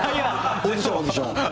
オーディション、オーディション。